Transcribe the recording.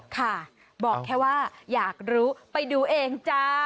ค่ะบอกแค่ว่าอยากรู้ไปดูเองจ้า